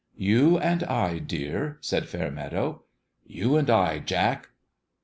" You and I, dear !" said Fairmeadow. " You and I, Jack !